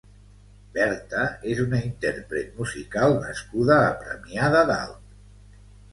Berta és una intérpret musical nascuda a Premià de Dalt.